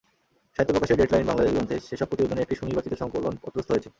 সাহিত্য প্রকাশের ডেটলাইন বাংলাদেশ গ্রন্থে সেসব প্রতিবেদনের একটি সুনির্বাচিত সংকলন পত্রস্থ হয়েছে।